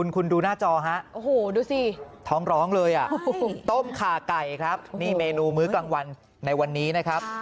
คุณดูหน้าจอฮะโอ้โหดูสิท้องร้องเลยอ่ะต้มขาไก่ครับนี่เมนูมื้อกลางวันในวันนี้นะครับ